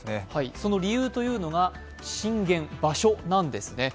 その理由というのが震源、場所なんですね。